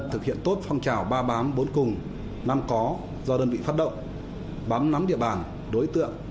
thực hiện tốt phong trào ba bám bốn cùng năm có do đơn vị phát động bám nắm địa bàn đối tượng